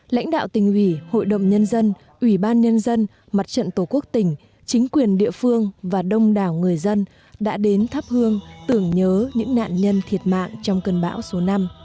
lãnh đạo tỉnh ủy hội đồng nhân dân ủy ban nhân dân mặt trận tổ quốc tỉnh chính quyền địa phương và đông đảo người dân đã đến thắp hương tưởng nhớ những nạn nhân thiệt mạng trong cơn bão số năm